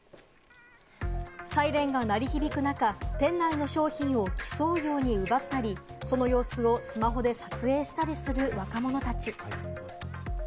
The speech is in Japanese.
サイレンが鳴り響く中、店内の商品を競うように奪ったり、その様子をスマホで撮影したりする若者たち。